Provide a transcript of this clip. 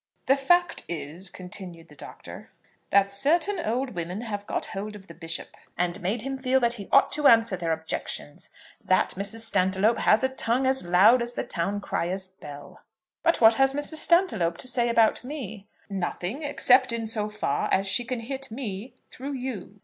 "The fact is," continued the Doctor, "that certain old women have got hold of the Bishop, and made him feel that he ought to answer their objections. That Mrs. Stantiloup has a tongue as loud as the town crier's bell." "But what has Mrs. Stantiloup to say about me?" "Nothing, except in so far as she can hit me through you."